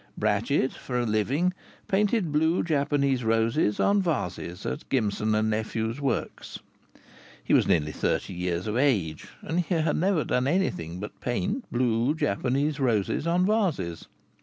Brachett, for a living, painted blue Japanese roses on vases at Gimson & Nephews' works. He was nearly thirty years of age, and he had never done anything else but paint blue Japanese roses on vases.